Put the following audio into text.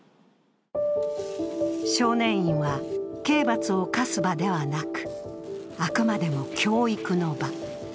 少年院は刑罰を科す場ではなくあくまでも教育の場。